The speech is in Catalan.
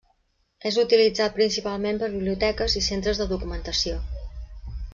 És utilitzat principalment per biblioteques i centres de documentació.